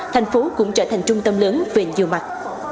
thành phố cũng trở thành trung tâm lớn về nhiều mặt